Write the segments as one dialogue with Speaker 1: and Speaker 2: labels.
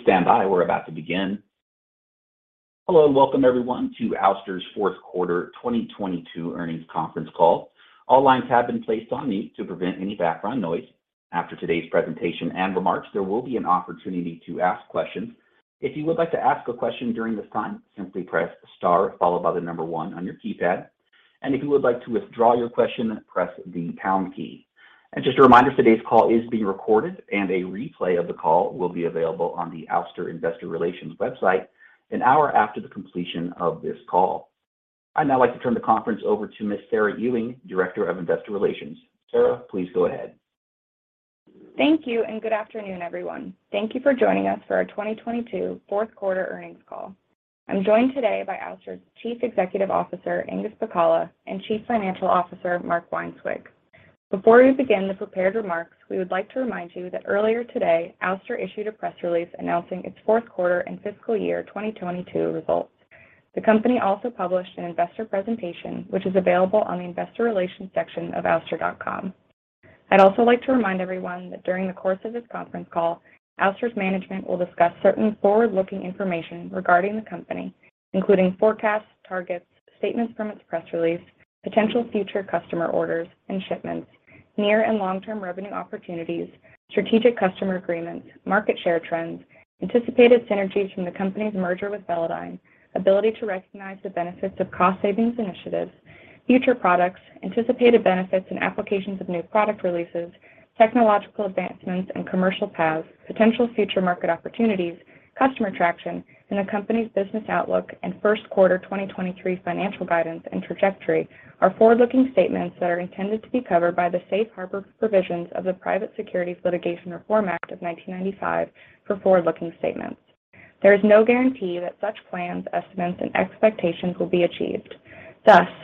Speaker 1: Please stand by. We're about to begin. Hello and welcome everyone to Ouster's fourth quarter 2022 earnings conference call. All lines have been placed on mute to prevent any background noise. After today's presentation and remarks, there will be an opportunity to ask questions. If you would like to ask a question during this time, simply press star followed by one on your keypad. If you would like to withdraw your question, press the pound key. Just a reminder, today's call is being recorded, and a replay of the call will be available on the Ouster Investor Relations website an hour after the completion of this call. I'd now like to turn the conference over to Ms. Sarah Ewing, Director of Investor Relations. Sarah, please go ahead.
Speaker 2: Thank you and good afternoon, everyone. Thank you for joining us for our 2022 fourth quarter earnings call. I'm joined today by Ouster's Chief Executive Officer, Angus Pacala, and Chief Financial Officer, Mark Weinswig. Before we begin the prepared remarks, we would like to remind you that earlier today, Ouster issued a press release announcing its fourth quarter and fiscal year 2022 results. The company also published an investor presentation, which is available on the investor relations section of ouster.com. I'd also like to remind everyone that during the course of this conference call, Ouster's management will discuss certain forward-looking information regarding the company, including forecasts, targets, statements from its press release, potential future customer orders and shipments, near and long-term revenue opportunities, strategic customer agreements, market share trends, anticipated synergies from the company's merger with Velodyne, ability to recognize the benefits of cost savings initiatives, future products, anticipated benefits and applications of new product releases, technological advancements and commercial paths, potential future market opportunities, customer traction, and the company's business outlook and first quarter 2023 financial guidance and trajectory are forward-looking statements that are intended to be covered by the safe harbor provisions of the Private Securities Litigation Reform Act of 1995 for forward-looking statements. There is no guarantee that such plans, estimates, and expectations will be achieved.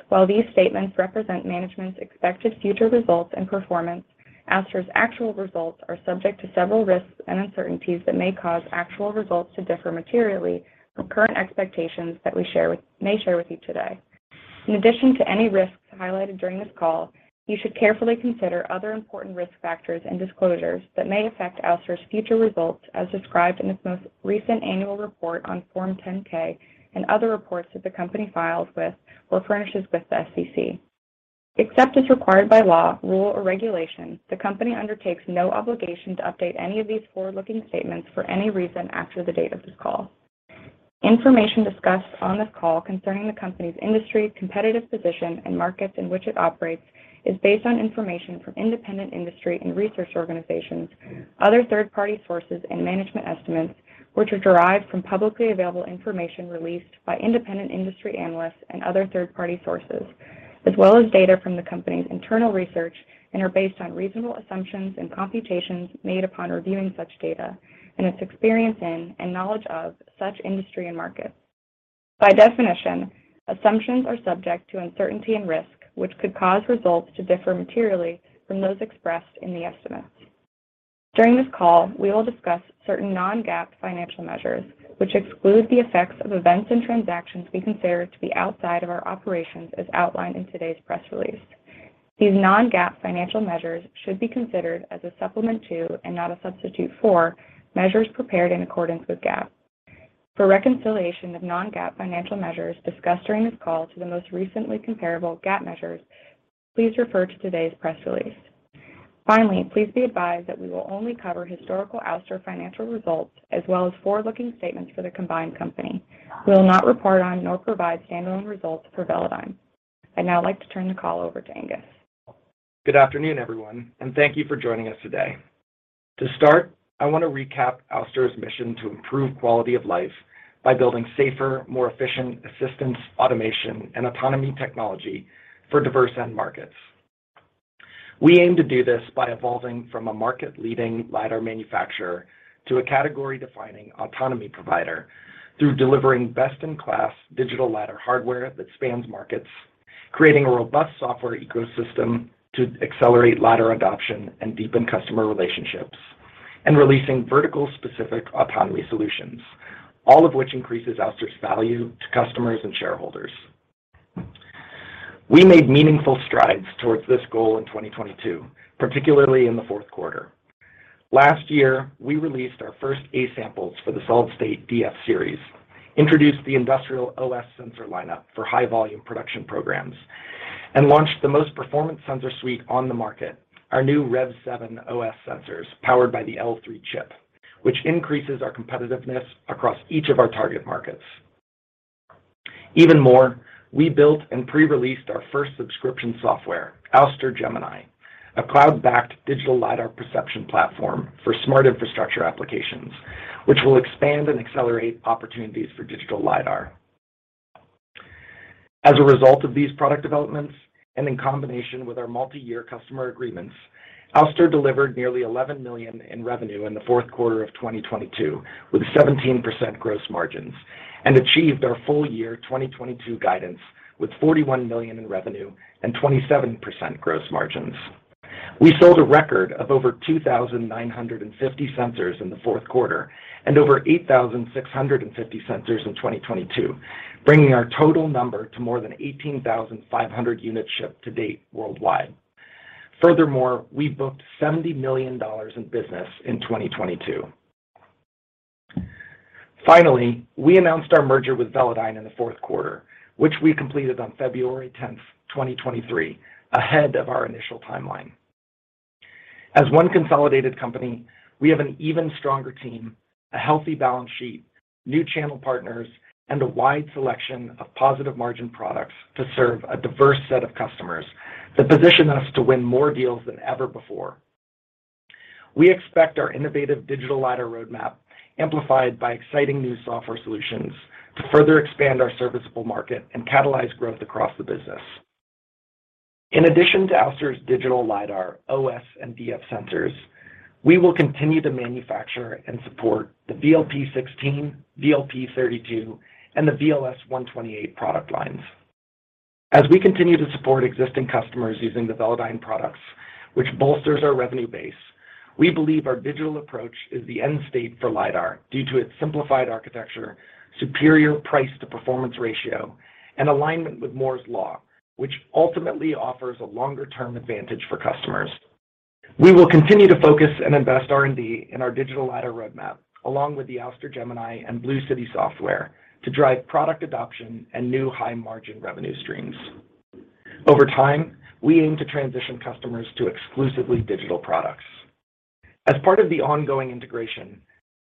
Speaker 2: While these statements represent management's expected future results and performance, Ouster's actual results are subject to several risks and uncertainties that may cause actual results to differ materially from current expectations that we may share with you today. In addition to any risks highlighted during this call, you should carefully consider other important risk factors and disclosures that may affect Ouster's future results as described in its most recent annual report on Form 10-K and other reports that the company files with or furnishes with the SEC. Except as required by law, rule, or regulation, the company undertakes no obligation to update any of these forward-looking statements for any reason after the date of this call. Information discussed on this call concerning the company's industry, competitive position, and markets in which it operates is based on information from independent industry and research organizations, other third-party sources, and management estimates, which are derived from publicly available information released by independent industry analysts and other third-party sources, as well as data from the company's internal research and are based on reasonable assumptions and computations made upon reviewing such data and its experience in and knowledge of such industry and markets. By definition, assumptions are subject to uncertainty and risk, which could cause results to differ materially from those expressed in the estimates. During this call, we will discuss certain non-GAAP financial measures, which exclude the effects of events and transactions we consider to be outside of our operations as outlined in today's press release. These non-GAAP financial measures should be considered as a supplement to, and not a substitute for, measures prepared in accordance with GAAP. For reconciliation of non-GAAP financial measures discussed during this call to the most recently comparable GAAP measures, please refer to today's press release. Finally, please be advised that we will only cover historical Ouster financial results as well as forward-looking statements for the combined company. We will not report on nor provide standalone results for Velodyne. I'd now like to turn the call over to Angus.
Speaker 3: Good afternoon, everyone, and thank you for joining us today. To start, I want to recap Ouster's mission to improve quality of life by building safer, more efficient assistance, automation, and autonomy technology for diverse end markets. We aim to do this by evolving from a market-leading lidar manufacturer to a category-defining autonomy provider through delivering best-in-class digital lidar hardware that spans markets, creating a robust software ecosystem to accelerate lidar adoption and deepen customer relationships, and releasing vertical-specific autonomy solutions, all of which increases Ouster's value to customers and shareholders. We made meaningful strides towards this goal in 2022, particularly in the fourth quarter. Last year, we released our first A samples for the solid-state DF series, introduced the industrial OS sensor lineup for high-volume production programs, and launched the most performance sensor suite on the market, our new REV7 OS sensors powered by the L3 chip, which increases our competitiveness across each of our target markets. We built and pre-released our first subscription software, Ouster Gemini, a cloud-backed digital lidar perception platform for smart infrastructure applications, which will expand and accelerate opportunities for digital lidar. As a result of these product developments and in combination with our multi-year customer agreements, Ouster delivered nearly $11 million in revenue in the fourth quarter of 2022 with 17% gross margins and achieved our full year 2022 guidance with $41 million in revenue and 27% gross margins. We sold a record of over 2,950 sensors in the fourth quarter and over 8,650 sensors in 2022, bringing our total number to more than 18,500 units shipped to date worldwide. We booked $70 million in business in 2022. We announced our merger with Velodyne in the fourth quarter, which we completed on February 10th, 2023, ahead of our initial timeline. As one consolidated company, we have an even stronger team, a healthy balance sheet, new channel partners, and a wide selection of positive margin products to serve a diverse set of customers that position us to win more deals than ever before. We expect our innovative digital lidar roadmap, amplified by exciting new software solutions to further expand our serviceable market and catalyze growth across the business. In addition to Ouster's digital lidar OS and DF sensors, we will continue to manufacture and support the VLP-16, VLP-32C, and the VLS-128 product lines. We continue to support existing customers using the Velodyne products, which bolsters our revenue base, we believe our digital approach is the end state for lidar due to its simplified architecture, superior price to performance ratio, and alignment with Moore's Law, which ultimately offers a longer-term advantage for customers. We will continue to focus and invest R&D in our digital lidar roadmap, along with the Ouster Gemini and BlueCity software to drive product adoption and new high-margin revenue streams. Over time, we aim to transition customers to exclusively digital products. Part of the ongoing integration,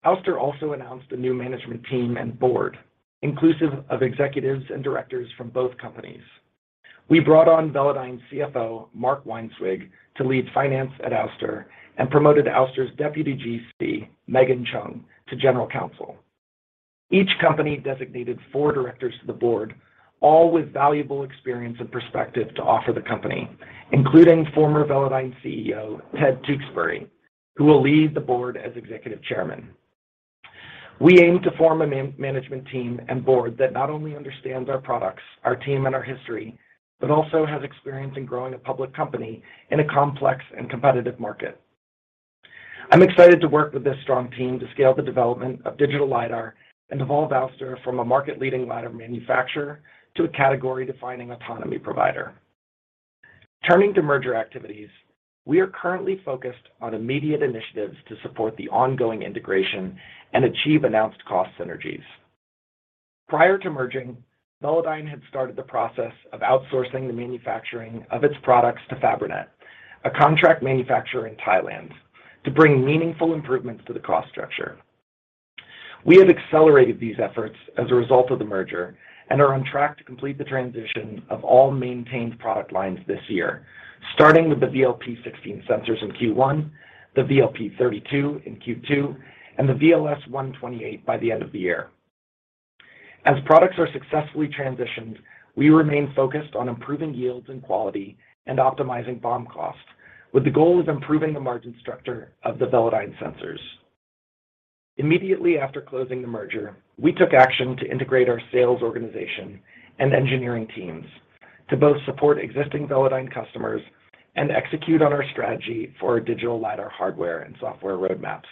Speaker 3: Ouster also announced a new management team and board, inclusive of executives and directors from both companies. We brought on Velodyne's CFO, Mark Weinswig, to lead finance at Ouster and promoted Ouster's Deputy GC, Megan Chung, to General Counsel. Each company designated four directors to the board, all with valuable experience and perspective to offer the company, including former Velodyne CEO, Ted Tewksbury, who will lead the board as Executive Chairman. We aim to form a man-management team and board that not only understands our products, our team, and our history, but also has experience in growing a public company in a complex and competitive market. I'm excited to work with this strong team to scale the development of digital lidar and evolve Ouster from a market-leading lidar manufacturer to a category-defining autonomy provider. Turning to merger activities, we are currently focused on immediate initiatives to support the ongoing integration and achieve announced cost synergies. Prior to merging, Velodyne had started the process of outsourcing the manufacturing of its products to Fabrinet, a contract manufacturer in Thailand, to bring meaningful improvements to the cost structure. We have accelerated these efforts as a result of the merger and are on track to complete the transition of all maintained product lines this year, starting with the VLP-16 sensors in Q1, the VLP-32 in Q2, and the VLS-128 by the end of the year. As products are successfully transitioned, we remain focused on improving yields and quality and optimizing BOM costs, with the goal of improving the margin structure of the Velodyne sensors. Immediately after closing the merger, we took action to integrate our sales organization and engineering teams to both support existing Velodyne customers and execute on our strategy for our digital lidar hardware and software roadmaps.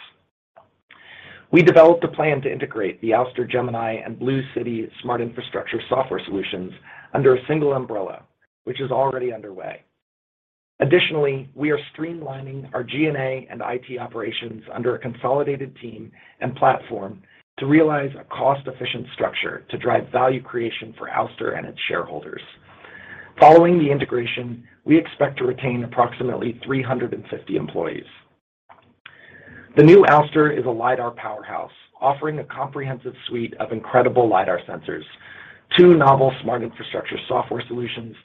Speaker 3: We developed a plan to integrate the Ouster Gemini and BlueCity smart infrastructure software solutions under a single umbrella, which is already underway. Additionally, we are streamlining our G&A and IT operations under a consolidated team and platform to realize a cost-efficient structure to drive value creation for Ouster and its shareholders. Following the integration, we expect to retain approximately 350 employees. The new Ouster is a lidar powerhouse, offering a comprehensive suite of incredible lidar sensors, two novel smart infrastructure software solutions,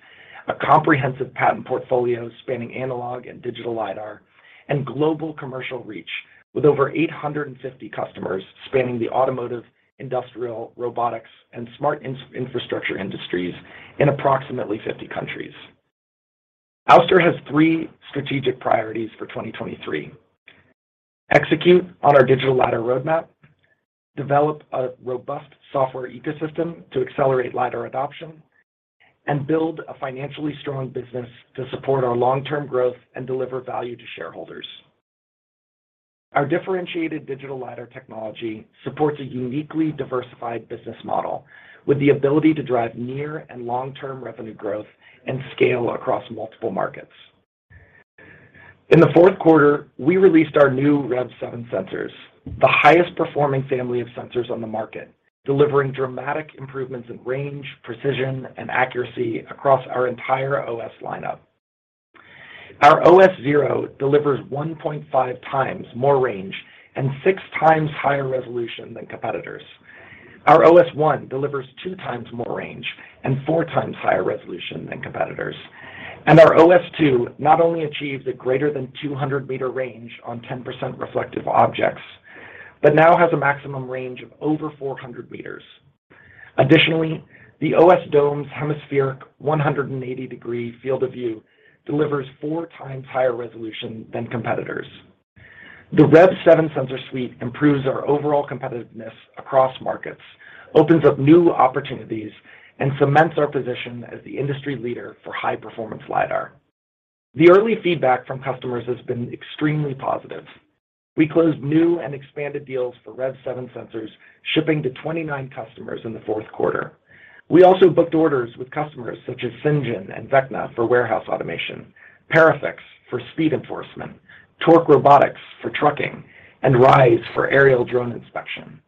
Speaker 3: a comprehensive patent portfolio spanning analog and digital lidar, and global commercial reach with over 850 customers spanning the automotive, industrial, robotics, and smart infrastructure industries in approximately 50 countries. Ouster has three strategic priorities for 2023. Execute on our digital lidar roadmap, develop a robust software ecosystem to accelerate lidar adoption, and build a financially strong business to support our long-term growth and deliver value to shareholders. Our differentiated digital lidar technology supports a uniquely diversified business model with the ability to drive near and long-term revenue growth and scale across multiple markets. In the fourth quarter, we released our new REV7 sensors, the highest performing family of sensors on the market, delivering dramatic improvements in range, precision, and accuracy across our entire OS lineup. Our OS0 delivers 1.5x more range and six times higher resolution than competitors. Our OS1 delivers two times more range and fourtimes higher resolution than competitors. Our OS2 not only achieves a greater than 200 meter range on 10% reflective objects, but now has a maximum range of over 400 meters. Additionally, the OS-Dome's hemispheric 180-degree field of view delivers four times higher resolution than competitors. The REV7 sensor suite improves our overall competitiveness across markets, opens up new opportunities, and cements our position as the industry leader for high performance lidar. The early feedback from customers has been extremely positive. We closed new and expanded deals for REV7 sensors, shipping to 29 customers in the fourth quarter. We also booked orders with customers such as Cyngn and Vecna for warehouse automation, Parifex for speed enforcement, Torc Robotics for trucking, and RYSE for aerial drone inspection.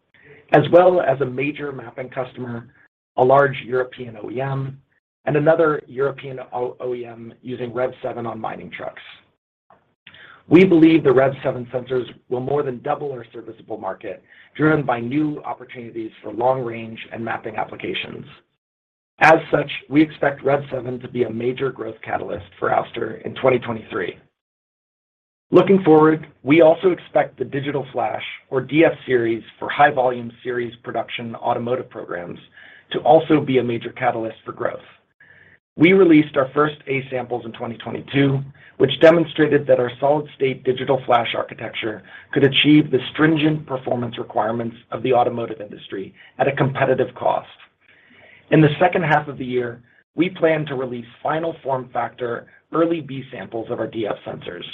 Speaker 3: As well as a major mapping customer, a large European OEM, and another European OEM using REV7 on mining trucks. We believe the REV7 sensors will more than double our serviceable market, driven by new opportunities for long range and mapping applications. As such, we expect REV7 to be a major growth catalyst for Ouster in 2023. Looking forward, we also expect the Digital Flash or DF series for high volume series production automotive programs to also be a major catalyst for growth. We released our first A samples in 2022, which demonstrated that our solid-state Digital Flash architecture could achieve the stringent performance requirements of the automotive industry at a competitive cost. In the second half of the year, we plan to release final form factor early B samples of our DF sensors.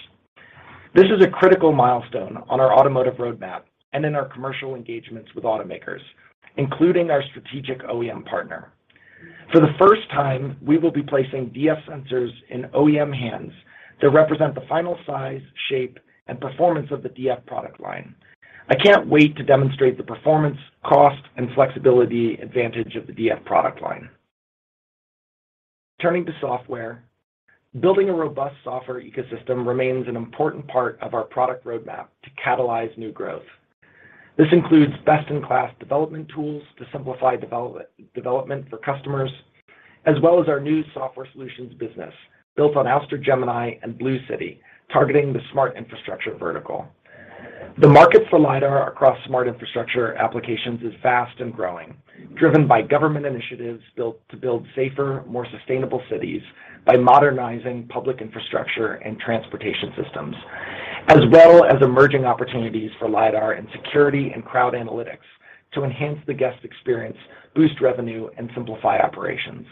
Speaker 3: This is a critical milestone on our automotive roadmap and in our commercial engagements with automakers, including our strategic OEM partner. For the first time, we will be placing DF sensors in OEM hands that represent the final size, shape, and performance of the DF product line. I can't wait to demonstrate the performance, cost, and flexibility advantage of the DF product line. Turning to software, building a robust software ecosystem remains an important part of our product roadmap to catalyze new growth. This includes best-in-class development tools to simplify development for customers, as well as our new software solutions business built on Ouster Gemini and BlueCity, targeting the smart infrastructure vertical. The market for lidar across smart infrastructure applications is fast and growing, driven by government initiatives built to build safer, more sustainable cities by modernizing public infrastructure and transportation systems. As well as emerging opportunities for lidar and security and crowd analytics to enhance the guest experience, boost revenue, and simplify operations.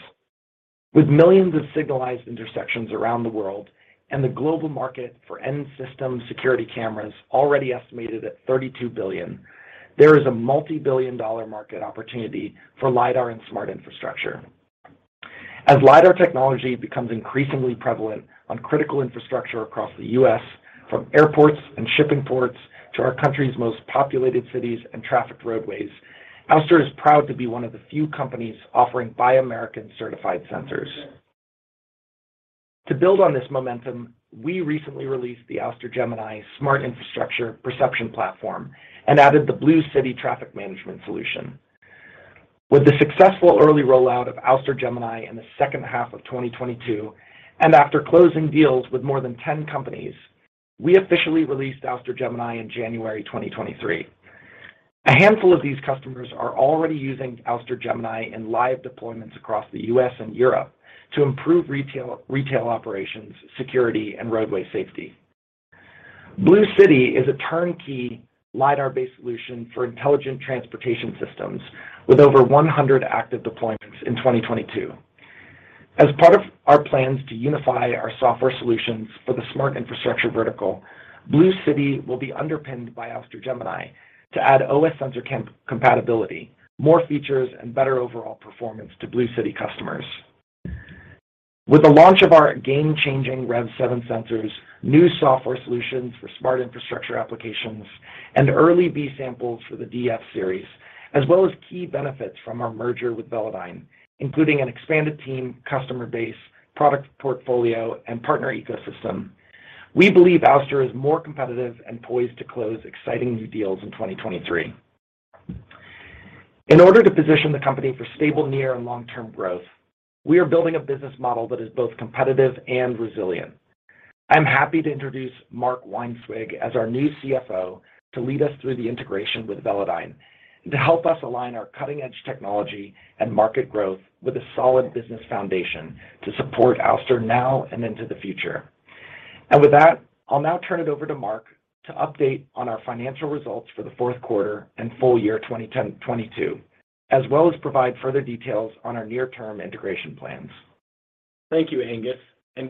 Speaker 3: With millions of signalized intersections around the world and the global market for end system security cameras already estimated at $32 billion, there is a multi-billion dollar market opportunity for lidar and smart infrastructure. As lidar technology becomes increasingly prevalent on critical infrastructure across the U.S., from airports and shipping ports to our country's most populated cities and trafficked roadways, Ouster is proud to be one of the few companies offering Buy American certified sensors. To build on this momentum, we recently released the Ouster Gemini smart infrastructure perception platform and added the BlueCity traffic management solution. With the successful early rollout of Ouster Gemini in the second half of 2022 and after closing deals with more than 10 companies, we officially released Ouster Gemini in January 2023. A handful of these customers are already using Ouster Gemini in live deployments across the U.S. and Europe to improve retail operations, security, and roadway safety. Blue City is a turnkey lidar-based solution for intelligent transportation systems with over 100 active deployments in 2022. As part of our plans to unify our software solutions for the smart infrastructure vertical, Blue City will be underpinned by Ouster Gemini to add OS sensor compatibility, more features, and better overall performance to Blue City customers. With the launch of our game-changing REV7 sensors, new software solutions for smart infrastructure applications, and early B samples for the DF series, as well as key benefits from our merger with Velodyne, including an expanded team, customer base, product portfolio, and partner ecosystem, we believe Ouster is more competitive and poised to close exciting new deals in 2023. In order to position the company for stable near and long-term growth, we are building a business model that is both competitive and resilient. I'm happy to introduce Mark Weinswig as our new CFO to lead us through the integration with Velodyne and to help us align our cutting-edge technology and market growth with a solid business foundation to support Ouster now and into the future. With that, I'll now turn it over to Mark to update on our financial results for the fourth quarter and full year 2022, as well as provide further details on our near-term integration plans.
Speaker 4: Thank you, Angus.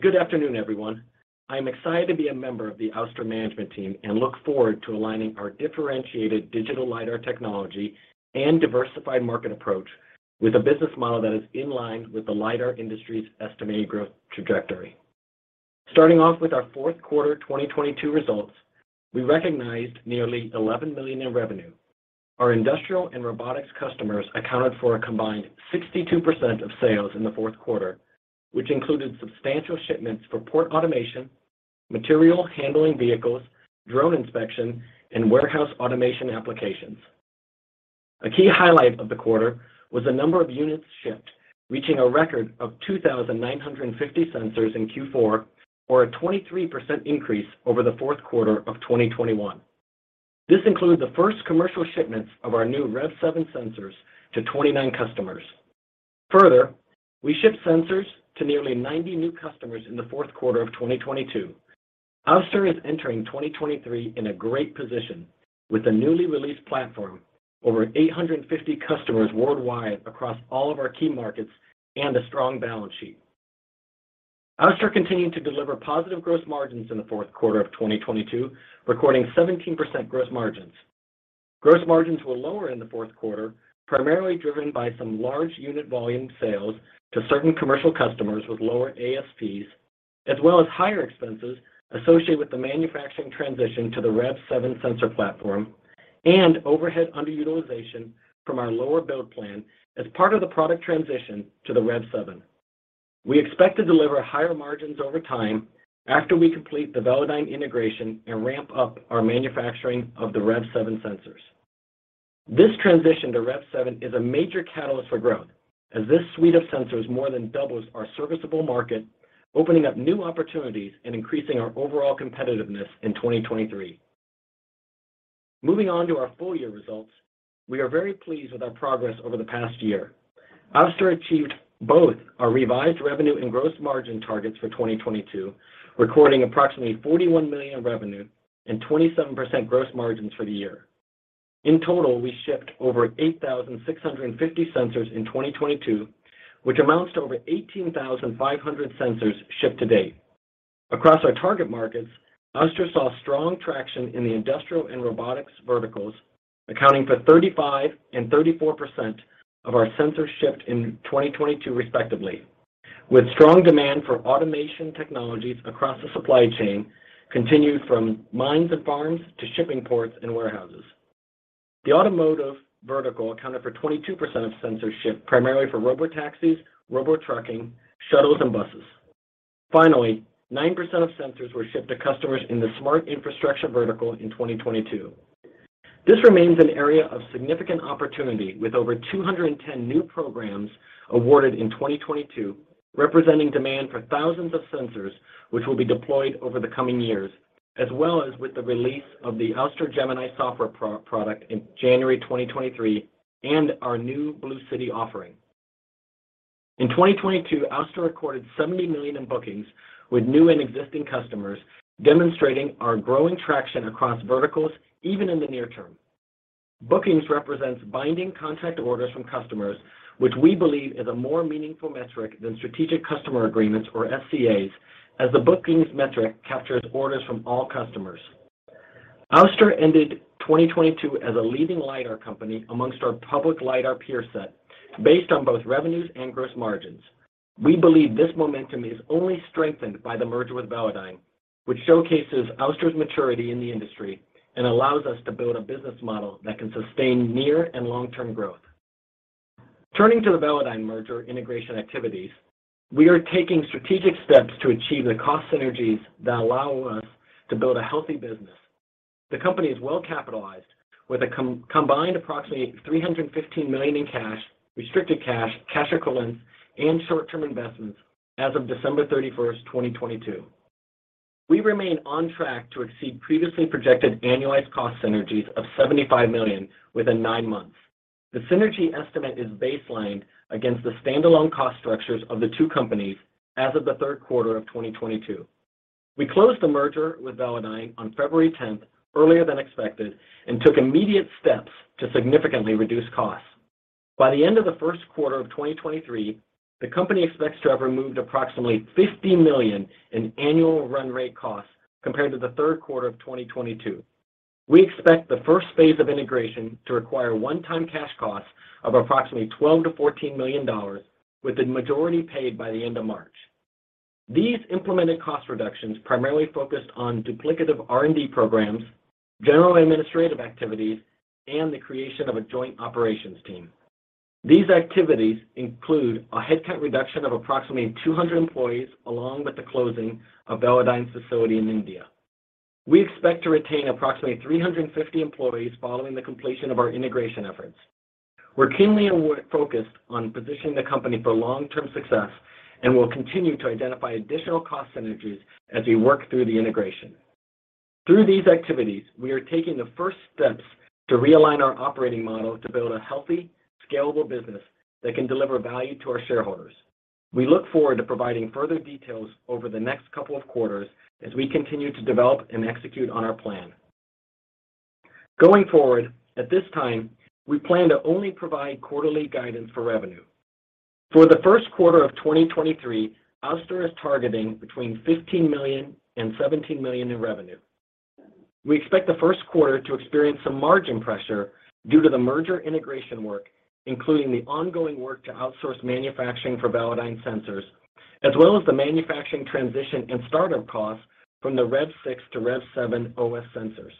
Speaker 4: Good afternoon, everyone. I'm excited to be a member of the Ouster management team and look forward to aligning our differentiated digital lidar technology and diversified market approach with a business model that is in line with the lidar industry's estimated growth trajectory. Starting off with our fourth quarter 2022 results, we recognized nearly $11 million in revenue. Our industrial and robotics customers accounted for a combined 62% of sales in the fourth quarter, which included substantial shipments for port automation, material handling vehicles, drone inspection, and warehouse automation applications. A key highlight of the quarter was the number of units shipped, reaching a record of 2,950 sensors in Q4 or a 23% increase over the fourth quarter of 2021. This includes the first commercial shipments of our new REV7 sensors to 29 customers. We shipped sensors to nearly 90 new customers in the fourth quarter of 2022. Ouster is entering 2023 in a great position with a newly released platform, over 850 customers worldwide across all of our key markets, and a strong balance sheet. Ouster continued to deliver positive gross margins in the fourth quarter of 2022, recording 17% gross margins. Gross margins were lower in the fourth quarter, primarily driven by some large unit volume sales to certain commercial customers with lower ASPs, as well as higher expenses associated with the manufacturing transition to the REV7 sensor platform and overhead underutilization from our lower build plan as part of the product transition to the REV7. We expect to deliver higher margins over time after we complete the Velodyne integration and ramp up our manufacturing of the REV7 sensors. This transition to REV7 is a major catalyst for growth as this suite of sensors more than doubles our serviceable market, opening up new opportunities and increasing our overall competitiveness in 2023. Moving on to our full year results, we are very pleased with our progress over the past year. Ouster achieved both our revised revenue and gross margin targets for 2022, recording approximately $41 million in revenue and 27% gross margins for the year. In total, we shipped over 8,650 sensors in 2022, which amounts to over 18,500 sensors shipped to date. Across our target markets, Ouster saw strong traction in the industrial and robotics verticals, accounting for 35% and 34% of our sensors shipped in 2022 respectively, with strong demand for automation technologies across the supply chain continued from mines and farms to shipping ports and warehouses. The automotive vertical accounted for 22% of sensors shipped primarily for robotaxis, robot trucking, shuttles, and buses. Finally, 9% of sensors were shipped to customers in the smart infrastructure vertical in 2022. This remains an area of significant opportunity with over 210 new programs awarded in 2022, representing demand for thousands of sensors which will be deployed over the coming years, as well as with the release of the Ouster Gemini software pro-product in January 2023 and our new BlueCity offering. In 2022, Ouster recorded $70 million in bookings with new and existing customers, demonstrating our growing traction across verticals even in the near term. Bookings represents binding contract orders from customers, which we believe is a more meaningful metric than strategic customer agreements or SCAs, as the bookings metric captures orders from all customers. Ouster ended 2022 as a leading lidar company amongst our public lidar peer set based on both revenues and gross margins. We believe this momentum is only strengthened by the merger with Velodyne, which showcases Ouster's maturity in the industry and allows us to build a business model that can sustain near and long-term growth. Turning to the Velodyne merger integration activities, we are taking strategic steps to achieve the cost synergies that allow us to build a healthy business. The company is well capitalized with a combined approximately $315 million in cash, restricted cash equivalents, and short-term investments as of December 31st, 2022. We remain on track to exceed previously projected annualized cost synergies of $75 million within nine months. The synergy estimate is baselined against the stand-alone cost structures of the two companies as of the third quarter of 2022. We closed the merger with Velodyne on February 10th, earlier than expected, and took immediate steps to significantly reduce costs. By the end of the first quarter of 2023, the company expects to have removed approximately $50 million in annual run rate costs compared to the third quarter of 2022. We expect the first phase of integration to require one-time cash costs of approximately $12 million-$14 million, with the majority paid by the end of March. These implemented cost reductions primarily focused on duplicative R&D programs, general administrative activities, and the creation of a joint operations team. These activities include a headcount reduction of approximately 200 employees along with the closing of Velodyne's facility in India. We expect to retain approximately 350 employees following the completion of our integration efforts. We're keenly focused on positioning the company for long-term success and will continue to identify additional cost synergies as we work through the integration. Through these activities, we are taking the first steps to realign our operating model to build a healthy, scalable business that can deliver value to our shareholders. We look forward to providing further details over the next couple of quarters as we continue to develop and execute on our plan. Going forward, at this time, we plan to only provide quarterly guidance for revenue. For the first quarter of 2023, Ouster is targeting between $15 million and $17 million in revenue. We expect the first quarter to experience some margin pressure due to the merger integration work, including the ongoing work to outsource manufacturing for Velodyne sensors, as well as the manufacturing transition and startup costs from the REV6 to REV7 OS sensors.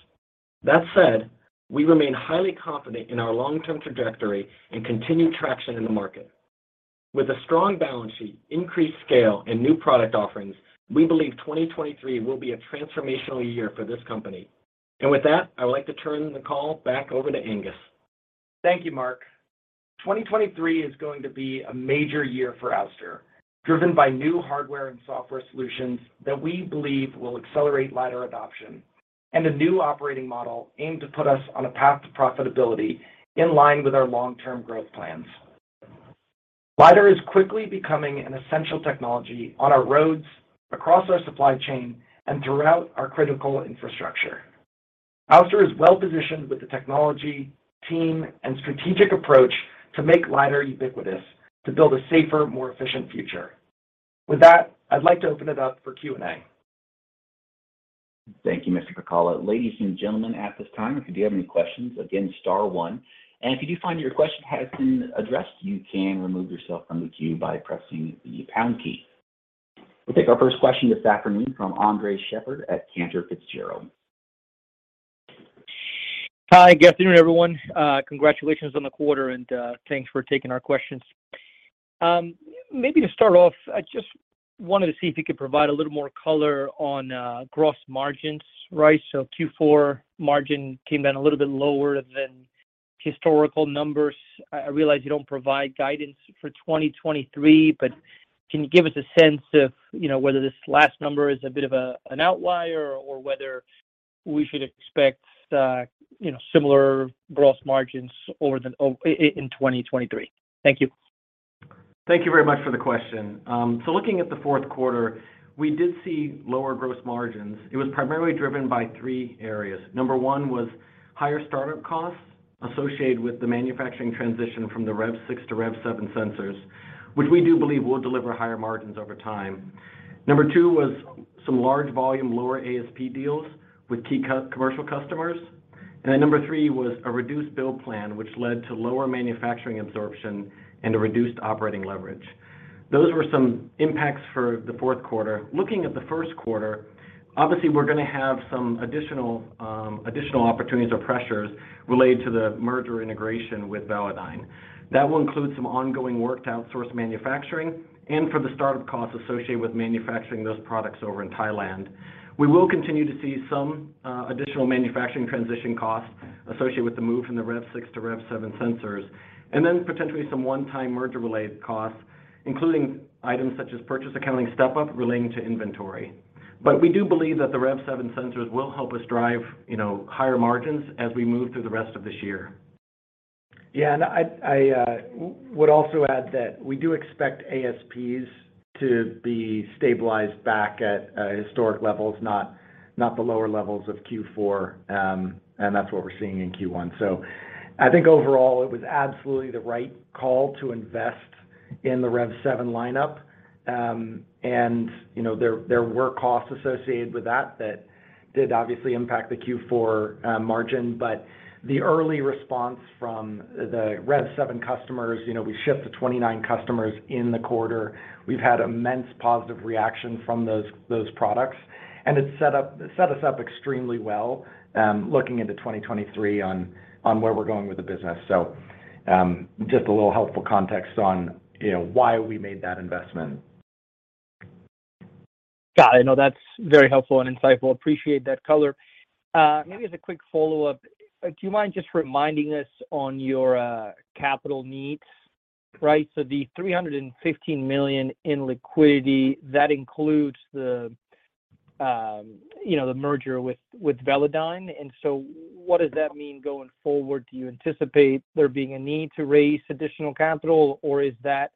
Speaker 4: That said, we remain highly confident in our long-term trajectory and continued traction in the market. With a strong balance sheet, increased scale, and new product offerings, we believe 2023 will be a transformational year for this company. With that, I would like to turn the call back over to Angus.
Speaker 3: Thank you, Mark. 2023 is going to be a major year for Ouster, driven by new hardware and software solutions that we believe will accelerate lidar adoption and a new operating model aimed to put us on a path to profitability in line with our long-term growth plans. lidar is quickly becoming an essential technology on our roads, across our supply chain, and throughout our critical infrastructure. Ouster is well positioned with the technology, team, and strategic approach to make lidar ubiquitous to build a safer, more efficient future. With that, I'd like to open it up for Q&A.
Speaker 1: Thank you, Mr. Pacala. Ladies and gentlemen, at this time, if you do have any questions, again, star one. If you do find your question has been addressed, you can remove yourself from the queue by pressing the pound key. We'll take our first question this afternoon from Andres Sheppard at Cantor Fitzgerald.
Speaker 5: Hi, good evening, everyone. Congratulations on the quarter and thanks for taking our questions. Maybe to start off, I just wanted to see if you could provide a little more color on gross margins, right? Q4 margin came down a little bit lower than historical numbers. I realize you don't provide guidance for 2023, but can you give us a sense of, you know, whether this last number is a bit of an outlier or whether we should expect, you know, similar gross margins over the in 2023? Thank you.
Speaker 4: Thank you very much for the question. Looking at the fourth quarter, we did see lower gross margins. It was primarily driven by three areas. Number one was higher startup costs associated with the manufacturing transition from the REV6 to REV7 sensors, which we do believe will deliver higher margins over time. Number two was some large volume lower ASP deals with key commercial customers. Number three was a reduced build plan, which led to lower manufacturing absorption and a reduced operating leverage. Those were some impacts for the fourth quarter. Looking at the first quarter, obviously, we're gonna have some additional opportunities or pressures related to the merger integration with Velodyne. That will include some ongoing work to outsource manufacturing and for the startup costs associated with manufacturing those products over in Thailand. We will continue to see some additional manufacturing transition costs associated with the move from the REV6 to REV7 sensors, and then potentially some one-time merger-related costs, including items such as purchase accounting step-up relating to inventory. We do believe that the REV7 sensors will help us drive, you know, higher margins as we move through the rest of this year.
Speaker 3: Yeah. I would also add that we do expect ASPs to be stabilized back at historic levels, not the lower levels of Q4. That's what we're seeing in Q1. I think overall, it was absolutely the right call to invest in the REV7 lineup. You know, there were costs associated with that that did obviously impact the Q4 margin. The early response from the REV7 customers, you know, we shipped to 29 customers in the quarter. We've had immense positive reaction from those products, and it set us up extremely well looking into 2023 on where we're going with the business. Just a little helpful context on, you know, why we made that investment.
Speaker 5: Got it. No, that's very helpful and insightful. Appreciate that color. Maybe as a quick follow-up, do you mind just reminding us on your capital needs, right? So the $315 million in liquidity, that includes the, you know, the merger with Velodyne. What does that mean going forward? Do you anticipate there being a need to raise additional capital, or is that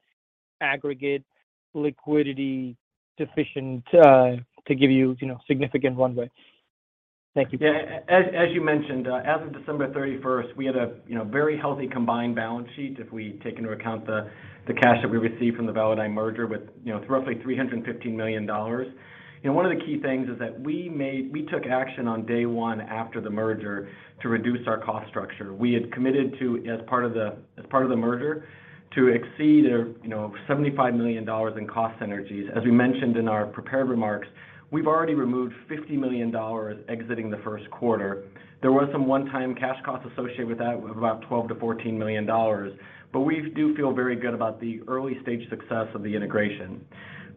Speaker 5: aggregate liquidity sufficient, to give you know, significant runway? Thank you.
Speaker 4: As you mentioned, as of December 31st, we had a, you know, very healthy combined balance sheet if we take into account the cash that we received from the Velodyne merger with, you know, roughly $315 million. You know, one of the key things is that we took action on day one after the merger to reduce our cost structure. We had committed to, as part of the merger, to exceed a, you know, $75 million in cost synergies. As we mentioned in our prepared remarks, we've already removed $50 million exiting the 1st quarter. There were some one-time cash costs associated with that of about $12 million-$14 million, but we do feel very good about the early-stage success of the integration.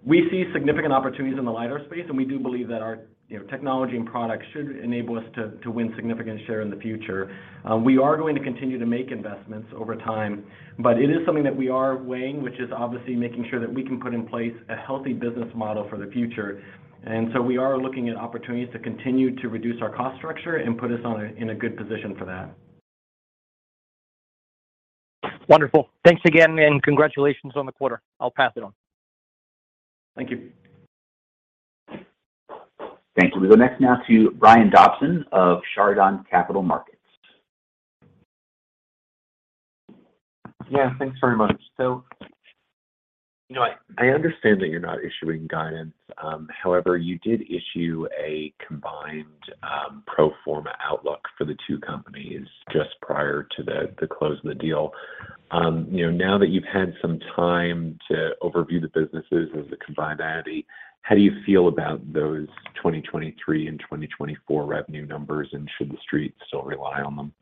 Speaker 4: We see significant opportunities in the lidar space. We do believe that our, you know, technology and products should enable us to win significant share in the future. We are going to continue to make investments over time, but it is something that we are weighing, which is obviously making sure that we can put in place a healthy business model for the future. We are looking at opportunities to continue to reduce our cost structure and put us in a good position for that.
Speaker 5: Wonderful. Thanks again, and congratulations on the quarter. I'll pass it on.
Speaker 4: Thank you.
Speaker 3: Thank you. We go next now to Brian Dobson of Chardan Capital Markets.
Speaker 6: Yeah. Thanks very much. You know, I understand that you're not issuing guidance. However, you did issue a combined pro forma outlook for the two companies just prior to the close of the deal. You know, now that you've had some time to overview the businesses as a combined entity, how do you feel about those 2023 and 2024 revenue numbers, and should the Street still rely on them?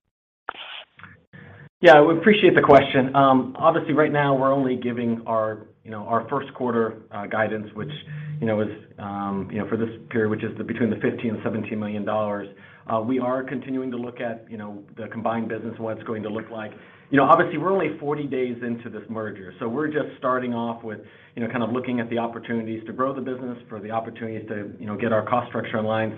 Speaker 4: Yeah. We appreciate the question. Obviously, right now, we're only giving our, you know, our first quarter guidance, which, you know, is, you know, for this period, which is between $50 million and $70 million. We are continuing to look at, you know, the combined business and what it's going to look like. You know, obviously, we're only 40 days into this merger, we're just starting off with, you know, kind of looking at the opportunities to grow the business for the opportunities to, you know, get our cost structure in line.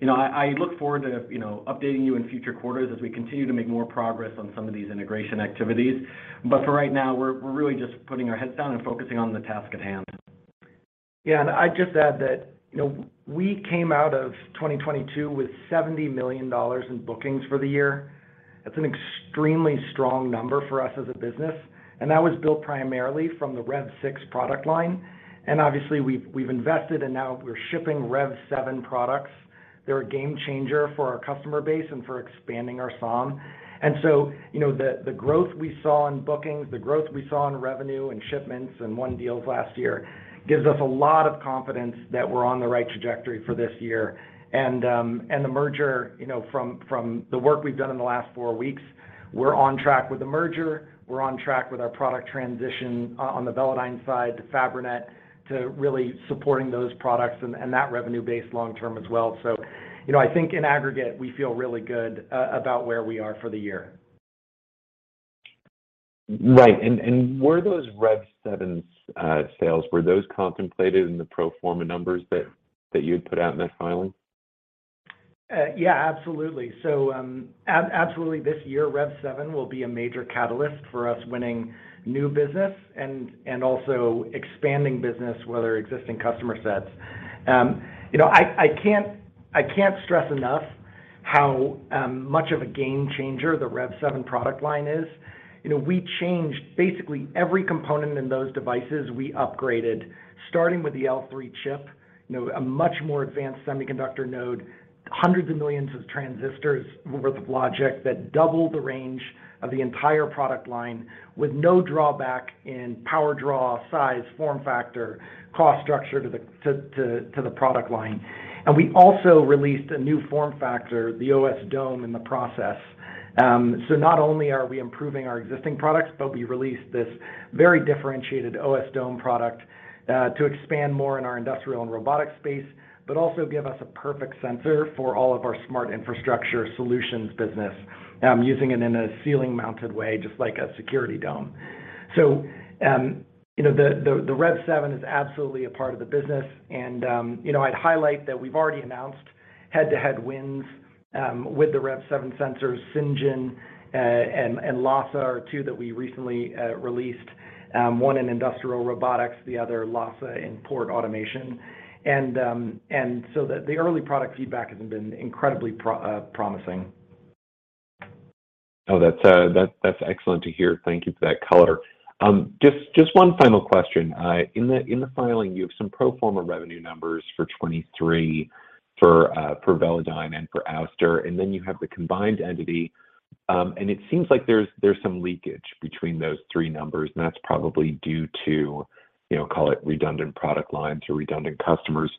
Speaker 4: You know, I look forward to, you know, updating you in future quarters as we continue to make more progress on some of these integration activities. For right now, we're really just putting our heads down and focusing on the task at hand.
Speaker 3: I'd just add that, you know, we came out of 2022 with $70 million in bookings for the year. That's an extremely strong number for us as a business, and that was built primarily from the REV6 product line. Obviously, we've invested, and now we're shipping REV7 products. They're a game changer for our customer base and for expanding our SOM. You know, the growth we saw in bookings, the growth we saw in revenue and shipments and won deals last year gives us a lot of confidence that we're on the right trajectory for this year. The merger, you know, from the work we've done in the last four weeks, we're on track with the merger. We're on track with our product transition on the Velodyne side to Fabrinet to really supporting those products and that revenue base long term as well. You know, I think in aggregate, we feel really good about where we are for the year.
Speaker 6: Right. Were those REV7 sales, were those contemplated in the pro forma numbers that you had put out in that filing?
Speaker 3: Yeah, absolutely. Absolutely this year, REV7 will be a major catalyst for us winning new business and also expanding business with our existing customer sets. You know, I can't stress enough how much of a game changer the REV7 product line is. You know, we changed basically every component in those devices. We upgraded starting with the L3 chip, you know, a much more advanced semiconductor node, hundreds of millions of transistors worth of logic that double the range of the entire product line with no drawback in power draw, size, form factor, cost structure to the product line. We also released a new form factor, the OS-Dome, in the process. Not only are we improving our existing products, but we released this very differentiated OS-Dome product, to expand more in our industrial and robotic space, but also give us a perfect sensor for all of our smart infrastructure solutions business, using it in a ceiling-mounted way, just like a security dome. You know, the, the REV7 is absolutely a part of the business. I'd highlight that we've already announced head-to-head wins with the REV7 sensors. Cyngn and LHSA are two that we recently released, one in industrial robotics, the other, LHSA, in port automation. The early product feedback has been incredibly promising.
Speaker 6: That's excellent to hear. Thank you for that color. Just one final question. In the filing, you have some pro forma revenue numbers for 23 for Velodyne and for Ouster, and then you have the combined entity. It seems like there's some leakage between those three numbers, and that's probably due to, you know, call it redundant product lines or redundant customers.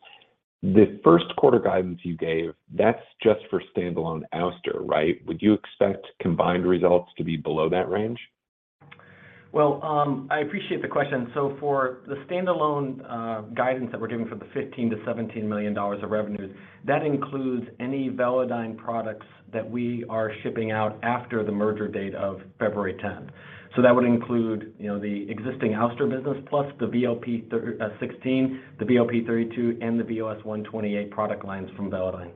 Speaker 6: The first quarter guidance you gave, that's just for standalone Ouster, right? Would you expect combined results to be below that range?
Speaker 4: I appreciate the question. For the standalone guidance that we're giving for the $15 million-$17 million of revenue, that includes any Velodyne products that we are shipping out after the merger date of February 10th. That would include, you know, the existing Ouster business plus the VLP-16, the VLP-32C, and the VLS-128 product lines from Velodyne.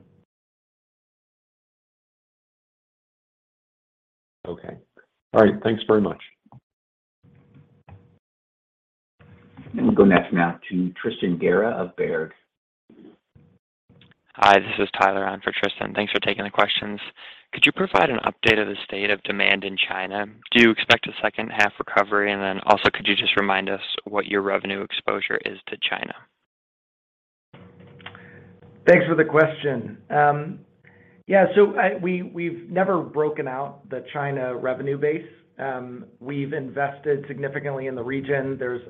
Speaker 6: Okay. All right. Thanks very much.
Speaker 1: We'll go next now to Tristan Gerra of Baird.
Speaker 7: Hi, this is Tyler on for Tristan. Thanks for taking the questions. Could you provide an update of the state of demand in China? Do you expect a second half recovery? Also, could you just remind us what your revenue exposure is to China?
Speaker 3: Thanks for the question. Yeah, we've never broken out the China revenue base. We've invested significantly in the region. There's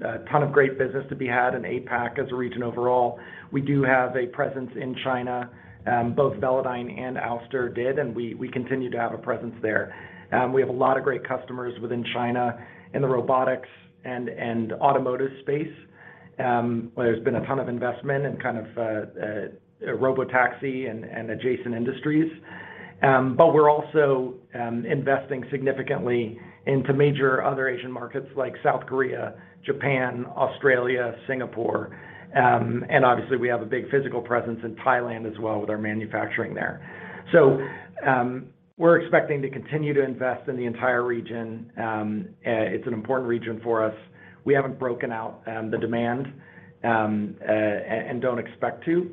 Speaker 3: a ton of great business to be had in APAC as a region overall. We do have a presence in China. Both Velodyne and Ouster did, and we continue to have a presence there. We have a lot of great customers within China in the robotics and automotive space, where there's been a ton of investment in kind of robotaxi and adjacent industries. We're also investing significantly into major other Asian markets like South Korea, Japan, Australia, Singapore. Obviously, we have a big physical presence in Thailand as well with our manufacturing there. We're expecting to continue to invest in the entire region. It's an important region for us. We haven't broken out the demand and don't expect to.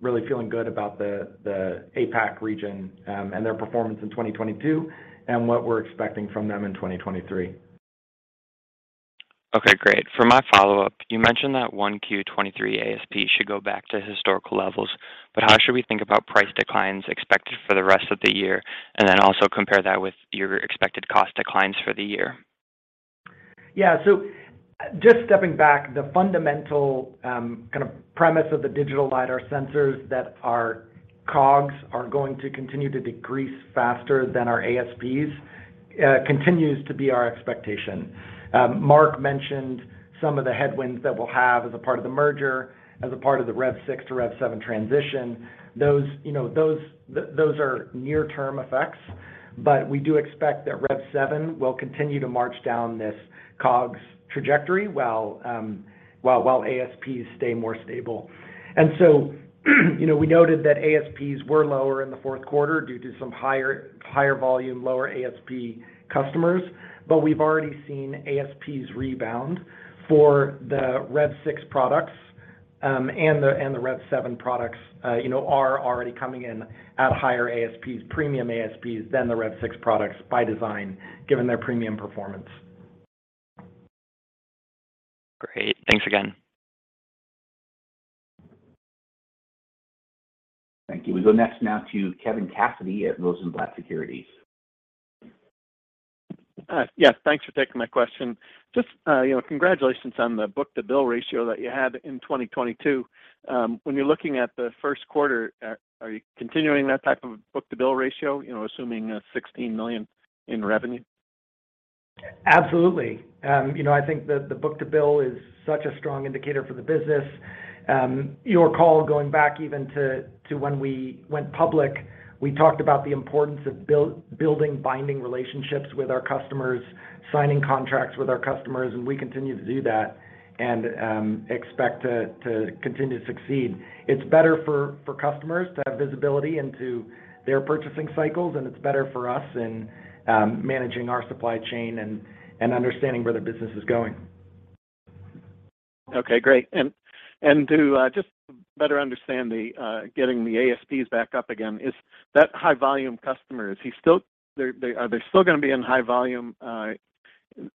Speaker 3: Really feeling good about the APAC region and their performance in 2022 and what we're expecting from them in 2023.
Speaker 7: Okay, great. For my follow-up, you mentioned that Q1 2023 ASP should go back to historical levels. How should we think about price declines expected for the rest of the year? Also compare that with your expected cost declines for the year?
Speaker 3: Just stepping back, the fundamental kind of premise of the digital lidar sensors that our COGS are going to continue to decrease faster than our ASPs, continues to be our expectation. Mark mentioned some of the headwinds that we'll have as a part of the merger, as a part of the REV6 to REV7 transition. Those, you know, those are near-term effects. We do expect that REV7 will continue to march down this COGS trajectory while ASPs stay more stable.
Speaker 4: You know, we noted that ASPs were lower in the fourth quarter due to some higher volume, lower ASP customers. We've already seen ASPs rebound for the REV6 products, and the REV7 products, you know, are already coming in at higher ASPs, premium ASPs than the REV6 products by design, given their premium performance.
Speaker 7: Great. Thanks again.
Speaker 1: Thank you. We go next now to Kevin Cassidy at Rosenblatt Securities.
Speaker 8: Yes, thanks for taking my question. Just, you know, congratulations on the book-to-bill ratio that you had in 2022. When you're looking at the first quarter, are you continuing that type of book-to-bill ratio, you know, assuming $16 million in revenue?
Speaker 4: Absolutely, you know, I think the book-to-bill is such a strong indicator for the business. Your call going back even to when we went public, we talked about the importance of building binding relationships with our customers, signing contracts with our customers. We continue to do that and expect to continue to succeed. It's better for customers to have visibility into their purchasing cycles, and it's better for us in managing our supply chain and understanding where their business is going.
Speaker 8: Okay, great. To just better understand the getting the ASPs back up again, is that high volume customer, are they still gonna be in high volume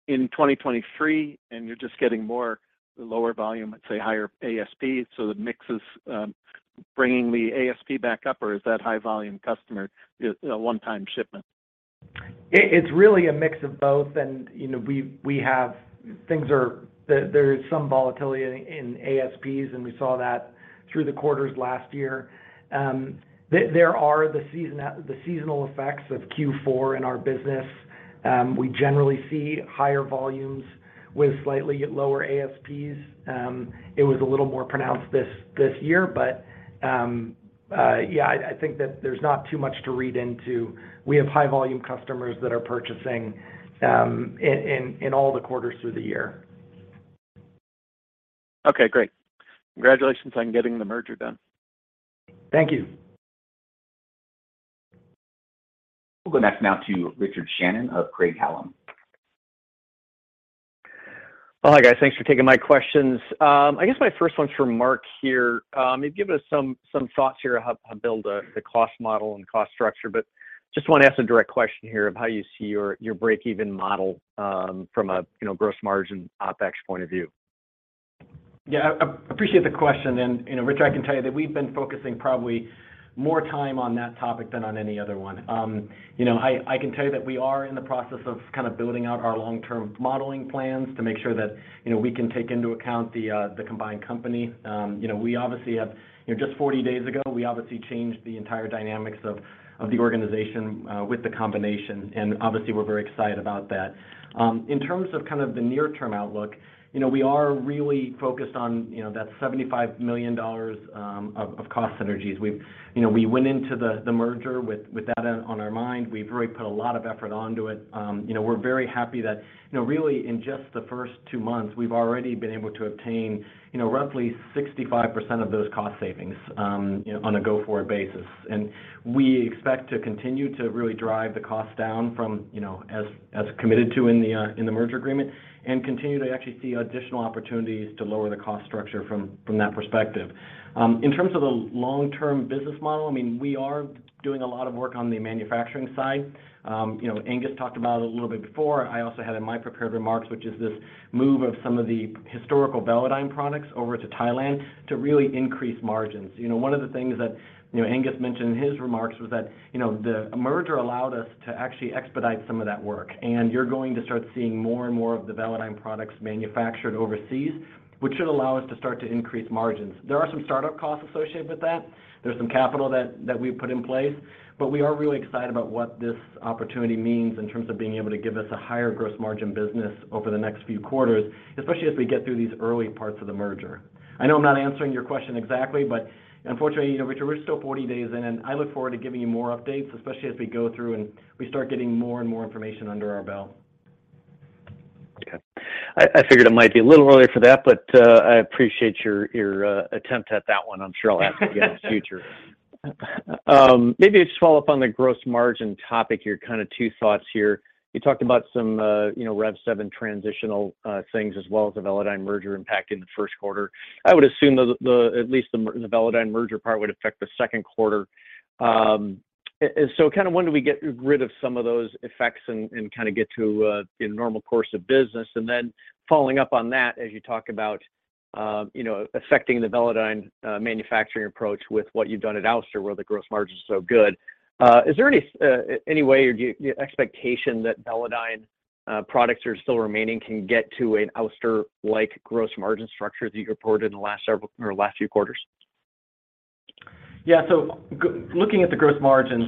Speaker 8: in 2023, and you're just getting more lower volume at, say, higher ASP, so the mix is bringing the ASP back up, or is that high volume customer just a one-time shipment?
Speaker 4: It's really a mix of both. you know, we have. There is some volatility in ASPs, and we saw that through the quarters last year. There are the seasonal effects of Q4 in our business. We generally see higher volumes with slightly lower ASPs. It was a little more pronounced this year. yeah, I think that there's not too much to read into. We have high volume customers that are purchasing in all the quarters through the year.
Speaker 8: Okay, great. Congratulations on getting the merger done.
Speaker 4: Thank you.
Speaker 1: We'll go next now to Richard Shannon of Craig-Hallum.
Speaker 9: Well, hi, guys. Thanks for taking my questions. I guess my first one's for Mark here. You've given us some thoughts here on how to build the cost model and cost structure. Just wanna ask a direct question here of how you see your break-even model, from a, you know, gross margin OPEX point of view.
Speaker 4: Yeah. Appreciate the question. You know, Richard, I can tell you that we've been focusing probably more time on that topic than on any other one. You know, I can tell you that we are in the process of kind of building out our long-term modeling plans to make sure that, you know, we can take into account the combined company. You know, we obviously have, you know, just 40 days ago, we obviously changed the entire dynamics of the organization with the combination, obviously we're very excited about that. In terms of kind of the near-term outlook, you know, we are really focused on, you know, that $75 million of cost synergies. You know, we went into the merger with that on our mind. We've really put a lot of effort onto it. you know, we're very happy that, you know, really in just the first two months, we've already been able to obtain, you know, roughly 65% of those cost savings, on a go-forward basis. We expect to continue to really drive the cost down from, you know, as committed to in the merger agreement, and continue to actually see additional opportunities to lower the cost structure from that perspective. In terms of the long-term business model, I mean, we are doing a lot of work on the manufacturing side. you know, Angus talked about it a little bit before. I also had in my prepared remarks, which is this move of some of the historical Velodyne products over to Thailand to really increase margins. You know, one of the things that, you know, Angus mentioned in his remarks was that, you know, the merger allowed us to actually expedite some of that work, and you're going to start seeing more and more of the Velodyne products manufactured overseas, which should allow us to start to increase margins. There are some startup costs associated with that. There's some capital that we've put in place. We are really excited about what this opportunity means in terms of being able to give us a higher gross margin business over the next few quarters, especially as we get through these early parts of the merger. I know I'm not answering your question exactly, but unfortunately, you know, Richard, we're still 40 days in, and I look forward to giving you more updates, especially as we go through and we start getting more and more information under our belt.
Speaker 9: Okay. I figured it might be a little early for that, but I appreciate your attempt at that one. I'm sure I'll ask again in the future. Maybe just follow up on the gross margin topic here. Kind of two thoughts here. You talked about some, you know, REV7 transitional things as well as the Velodyne merger impact in the first quarter. I would assume the at least the Velodyne merger part would affect the second quarter. Kind of when do we get rid of some of those effects and kind of get to in normal course of business? Then following up on that, as you talk about, you know, affecting the Velodyne manufacturing approach with what you've done at Ouster, where the gross margin is so good, is there any any way or do you expectation that Velodyne products are still remaining can get to an Ouster-like gross margin structure that you reported in the last several or last few quarters?
Speaker 4: Looking at the gross margins,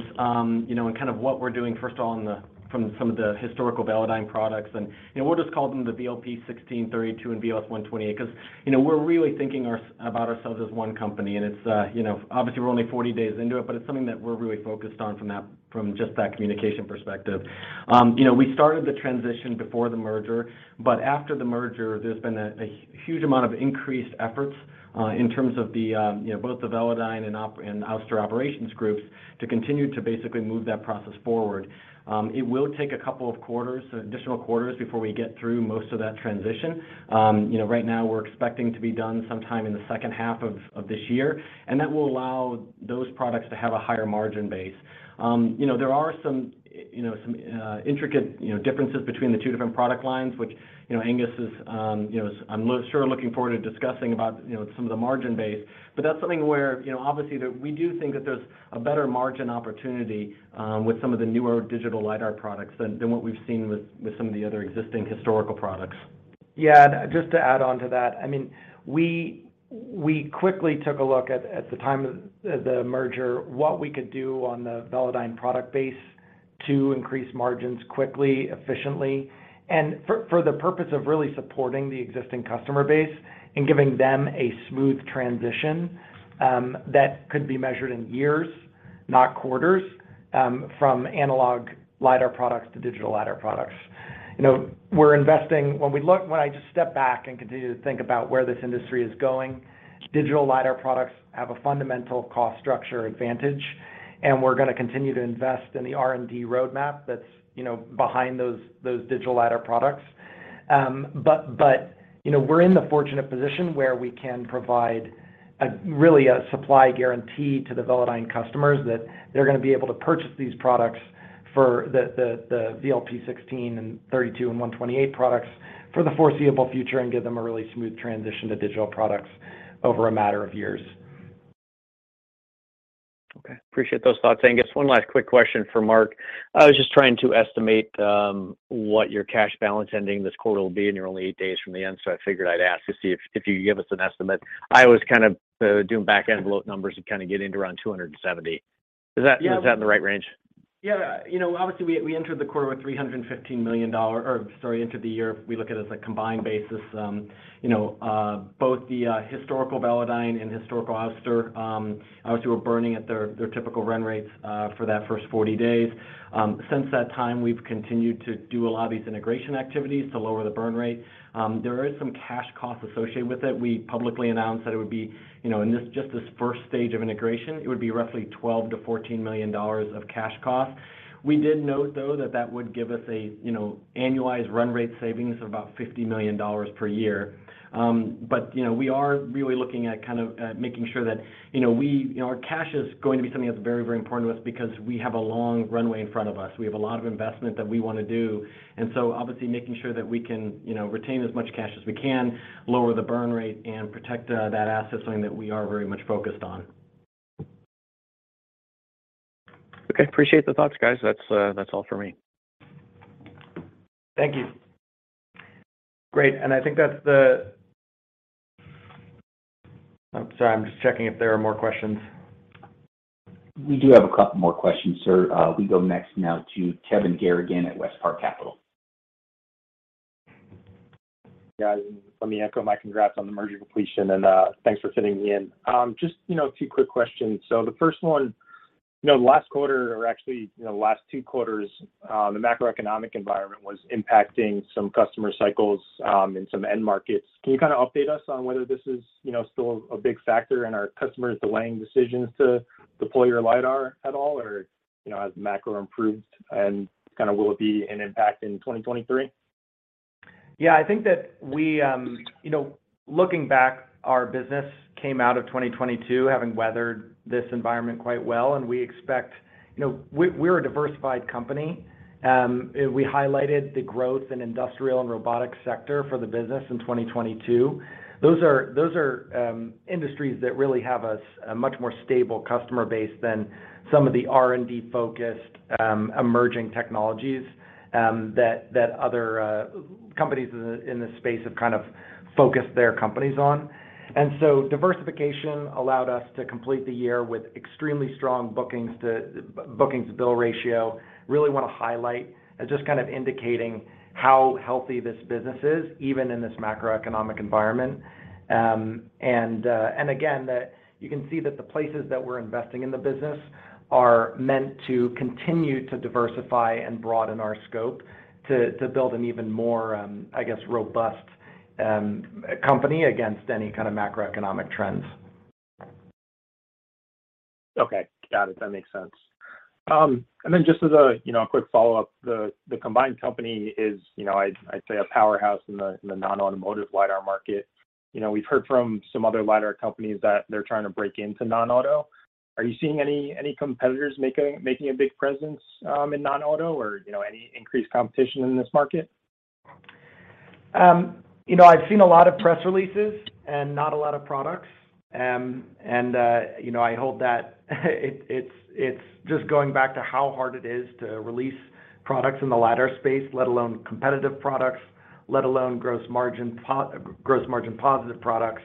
Speaker 4: you know, and kind of what we're doing first on the, from some of the historical Velodyne products, and, you know, we'll just call them the VLP-16, 32, and VLS-128. 'Cause, you know, we're really thinking about ourselves as one company, and it's, you know, obviously we're only 40 days into it, but it's something that we're really focused on from that, from just that communication perspective. You know, we started the transition before the merger, but after the merger, there's been a huge amount of increased efforts in terms of, you know, both the Velodyne and Ouster operations groups to continue to basically move that process forward. It will take a couple of quarters, additional quarters before we get through most of that transition. You know, right now we're expecting to be done sometime in the second half of this year. That will allow those products to have a higher margin base. You know, there are some, you know, some intricate, you know, differences between the two different product lines, which, you know, Angus is, I'm sure looking forward to discussing about, you know, some of the margin base. That's something where, you know, obviously that we do think that there's a better margin opportunity, with some of the newer digital lidar products than what we've seen with some of the other existing historical products.
Speaker 3: Just to add onto that, I mean, we quickly took a look at the time of the merger, what we could do on the Velodyne product base to increase margins quickly, efficiently, and for the purpose of really supporting the existing customer base and giving them a smooth transition, that could be measured in years, not quarters, from analog lidar products to digital lidar products. You know, when I just step back and continue to think about where this industry is going, digital lidar products have a fundamental cost structure advantage, and we're gonna continue to invest in the R&D roadmap that's, you know, behind those digital lidar products. You know, we're in the fortunate position where we can provide a really, a supply guarantee to the Velodyne customers that they're gonna be able to purchase these products for the VLP-16 and 32 and 128 products for the foreseeable future and give them a really smooth transition to digital products over a matter of years.
Speaker 9: Okay. Appreciate those thoughts, Angus. One last quick question for Mark. I was just trying to estimate, what your cash balance ending this quarter will be, and you're only eight days from the end, so I figured I'd ask to see if you could give us an estimate. I was kind of doing back envelope numbers and kind of getting to around $270. Is that?
Speaker 4: Yeah.
Speaker 9: Is that in the right range?
Speaker 4: Yeah. You know, obviously, we entered the quarter with $315 million, or sorry, entered the year, we look at it as a combined basis. You know, both the historical Velodyne and historical Ouster obviously were burning at their typical run rates for that first 40 days. Since that time, we've continued to do a lot of these integration activities to lower the burn rate. There is some cash costs associated with it. We publicly announced that it would be, you know, in this, just this first stage of integration, it would be roughly $12 million-$14 million of cash costs. We did note, though, that that would give us a, you know, annualized run rate savings of about $50 million per year. You know, we are really looking at kind of making sure that, you know, we, you know, our cash is going to be something that's very, very important to us because we have a long runway in front of us. We have a lot of investment that we wanna do. Obviously, making sure that we can, you know, retain as much cash as we can, lower the burn rate, and protect that asset is something that we are very much focused on.
Speaker 9: Okay. Appreciate the thoughts, guys. That's all for me.
Speaker 3: Thank you. Great. I think that's the... I'm sorry. I'm just checking if there are more questions.
Speaker 1: We do have a couple more questions, sir. We go next now to Kevin Garrigan at WestPark Capital.
Speaker 10: Guys, let me echo my congrats on the merger completion, thanks for fitting me in. Just, you know, a few quick questions. The first one, you know, the last quarter, or actually, you know, the last two quarters, the macroeconomic environment was impacting some customer cycles, and some end markets. Can you kind of update us on whether this is, you know, still a big factor and are customers delaying decisions to deploy your lidar at all, or, you know, has macro improved and kind of will it be an impact in 2023?
Speaker 3: Yeah, I think that we, you know, looking back, our business came out of 2022 having weathered this environment quite well, and we expect. You know, we're a diversified company. We highlighted the growth in industrial and robotic sector for the business in 2022. Those are industries that really have a much more stable customer base than some of the R&D-focused emerging technologies that other companies in the space have kind of focused their companies on. Diversification allowed us to complete the year with extremely strong bookings bill ratio. Really wanna highlight as just kind of indicating how healthy this business is, even in this macroeconomic environment. Again, that you can see that the places that we're investing in the business are meant to continue to diversify and broaden our scope to build an even more, I guess, robust company against any kind of macroeconomic trends.
Speaker 10: Okay. Got it. That makes sense. Just as a, you know, a quick follow-up, the combined company is, you know, I'd say a powerhouse in the non-automotive lidar market. You know, we've heard from some other lidar companies that they're trying to break into non-auto. Are you seeing any competitors making a big presence, in non-auto or, you know, any increased competition in this market?
Speaker 3: You know, I've seen a lot of press releases and not a lot of products. You know, I hold that it's, it's just going back to how hard it is to release products in the lidar space, let alone competitive products. Let alone gross margin positive products.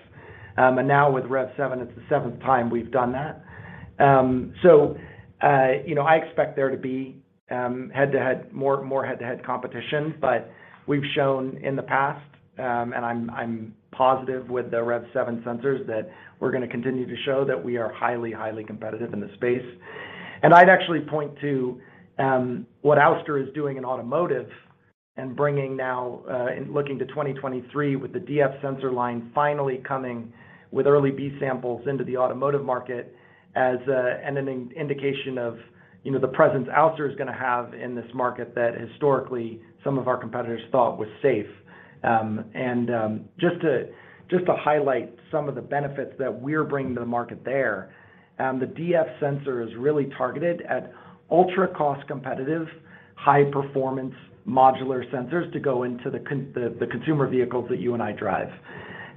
Speaker 3: Now with REV7, it's the seventh time we've done that. You know, I expect there to be head-to-head, more head-to-head competition. We've shown in the past, and I'm positive with the REV7 sensors that we're gonna continue to show that we are highly competitive in the space. I'd actually point to what Ouster is doing in automotive and bringing now in looking to 2023 with the DF sensor line finally coming with early B samples into the automotive market as an indication of, you know, the presence Ouster is gonna have in this market that historically some of our competitors thought was safe. Just to highlight some of the benefits that we're bringing to the market there, the DF sensor is really targeted at ultra-cost competitive, high-performance modular sensors to go into the consumer vehicles that you and I drive.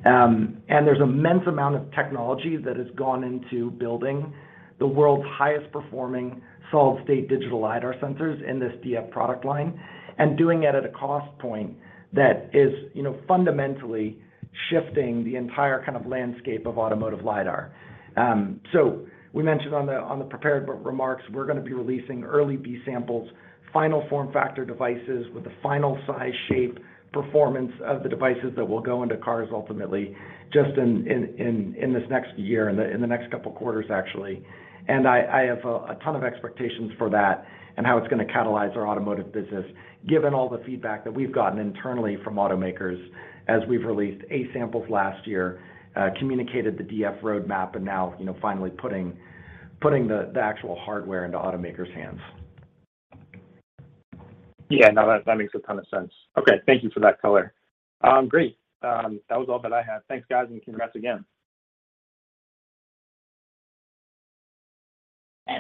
Speaker 3: There's immense amount of technology that has gone into building the world's highest performing solid-state digital lidar sensors in this DF product line, and doing it at a cost point that is, you know, fundamentally shifting the entire kind of landscape of automotive lidar. We mentioned on the prepared remarks, we're gonna be releasing early B samples, final form factor devices with the final size, shape, performance of the devices that will go into cars ultimately just in this next year, in the next couple quarters, actually. I have a ton of expectations for that and how it's gonna catalyze our automotive business, given all the feedback that we've gotten internally from automakers as we've released A samples last year, communicated the DF roadmap, and now, you know, finally putting the actual hardware into automakers' hands.
Speaker 10: Yeah. That makes a ton of sense. Thank you for that color. Great. That was all that I had. Thanks, guys, and congrats again.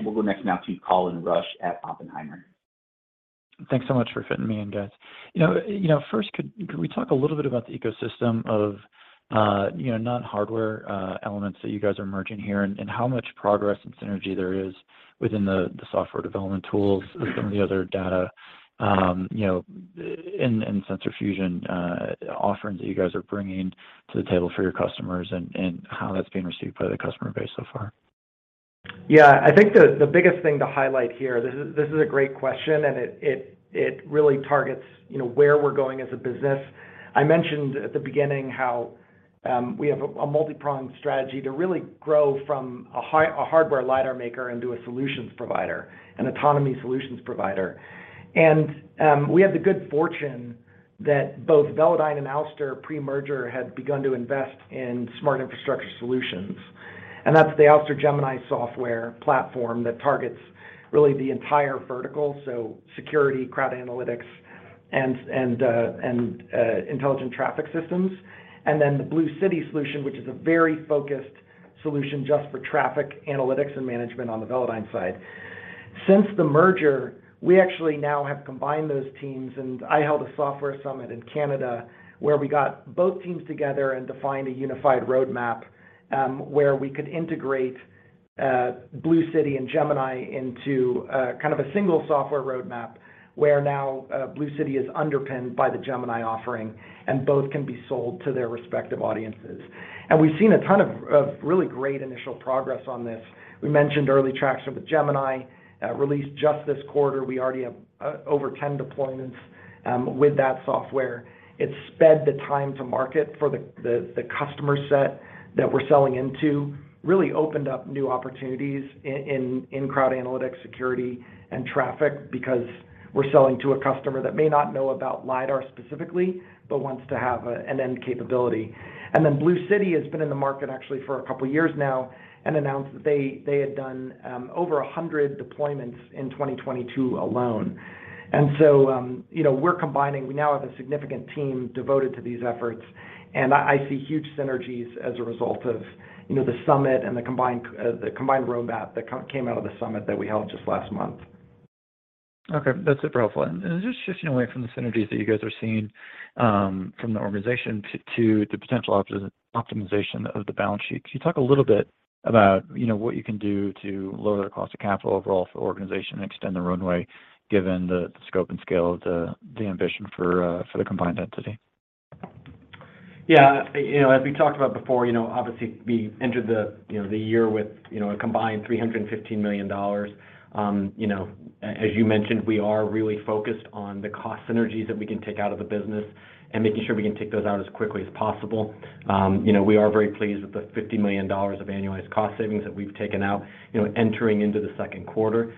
Speaker 1: We'll go next now to Colin Rusch at Oppenheimer.
Speaker 11: Thanks so much for fitting me in, guys. You know, first, could we talk a little bit about the ecosystem of, you know, non-hardware elements that you guys are merging here, and how much progress and synergy there is within the software development tools of some of the other data, you know, in sensor fusion offerings that you guys are bringing to the table for your customers and how that's being received by the customer base so far?
Speaker 4: I think the biggest thing to highlight here, this is a great question, and it really targets, you know, where we're going as a business. I mentioned at the beginning how we have a multi-pronged strategy to really grow from a hardware lidar maker into a solutions provider, an autonomy solutions provider. We had the good fortune that both Velodyne and Ouster pre-merger had begun to invest in smart infrastructure solutions, and that's the Ouster Gemini software platform that targets really the entire vertical, so security, crowd analytics, and intelligent traffic systems. The BlueCity solution, which is a very focused solution just for traffic analytics and management on the Velodyne side. Since the merger, we actually now have combined those teams. I held a software summit in Canada where we got both teams together and defined a unified roadmap, where we could integrate BlueCity and Gemini into kind of a single software roadmap, where now BlueCity is underpinned by the Gemini offering and both can be sold to their respective audiences. We've seen a ton of really great initial progress on this. We mentioned early traction with Gemini, released just this quarter. We already have over 10 deployments with that software. It sped the time to market for the customer set that we're selling into, really opened up new opportunities in crowd analytics, security, and traffic because we're selling to a customer that may not know about lidar specifically but wants to have an end capability. BlueCity has been in the market actually for a couple years now and announced that they had done over 100 deployments in 2022 alone. You know, we're combining. We now have a significant team devoted to these efforts, and I see huge synergies as a result of, you know, the summit and the combined roadmap that came out of the summit that we held just last month.
Speaker 11: Okay. That's super helpful. Just shifting away from the synergies that you guys are seeing, from the organization to the potential optimization of the balance sheet, can you talk a little bit about, you know, what you can do to lower the cost of capital overall for the organization and extend the runway given the scope and scale of the ambition for the combined entity?
Speaker 3: You know, as we talked about before, you know, obviously we entered the, you know, the year with, you know, a combined $315 million. You know, as you mentioned, we are really focused on the cost synergies that we can take out of the business and making sure we can take those out as quickly as possible. You know, we are very pleased with the $50 million of annualized cost savings that we've taken out, you know, entering into the second quarter.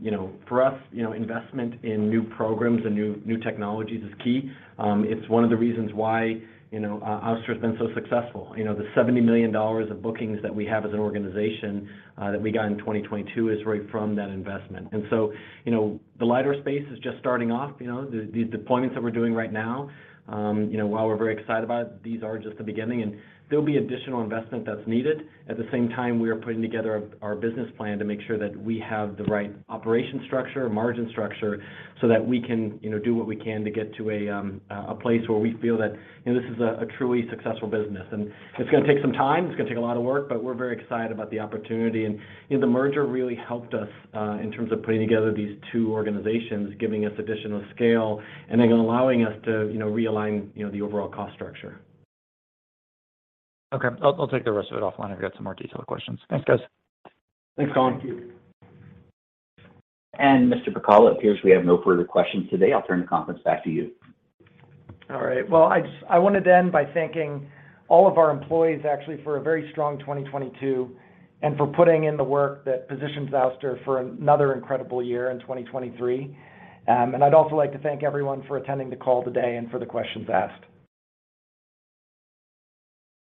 Speaker 3: You know, for us, you know, investment in new programs and new technologies is key. It's one of the reasons why, you know, Ouster has been so successful. You know, the $70 million of bookings that we have as an organization that we got in 2022 is right from that investment. You know, the lidar space is just starting off. You know, the deployments that we're doing right now, you know, while we're very excited about it, these are just the beginning, and there'll be additional investment that's needed. At the same time, we are putting together our business plan to make sure that we have the right operation structure, margin structure so that we can, you know, do what we can to get to a place where we feel that, you know, this is a truly successful business. It's gonna take some time. It's gonna take a lot of work, but we're very excited about the opportunity. You know, the merger really helped us in terms of putting together these two organizations, giving us additional scale, and then allowing us to, you know, realign, you know, the overall cost structure.
Speaker 11: Okay. I'll take the rest of it offline if I got some more detailed questions. Thanks, guys.
Speaker 3: Thanks, Colin.
Speaker 1: Thank you. Mr. Pacala, it appears we have no further questions today. I'll turn the conference back to you.
Speaker 3: All right. Well, I wanted to end by thanking all of our employees actually for a very strong 2022 and for putting in the work that positions Ouster for another incredible year in 2023. I'd also like to thank everyone for attending the call today and for the questions asked.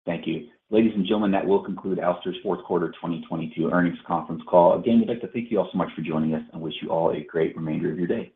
Speaker 1: Thank you. Ladies and gentlemen, that will conclude Ouster's fourth quarter 2022 earnings conference call. Again, we'd like to thank you all so much for joining us and wish you all a great remainder of your day.